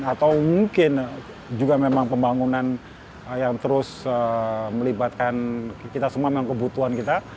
atau mungkin juga memang pembangunan yang terus melibatkan kita semua memang kebutuhan kita